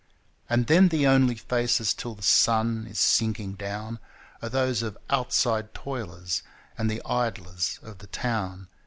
And then the only faces till the sun is sinking down Are those of outside toilers and the idlers of the town.